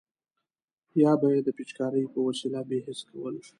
یا به یې د پیچکارۍ په وسیله بې حس کول.